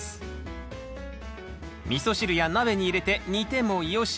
みそ汁や鍋に入れて煮てもよし。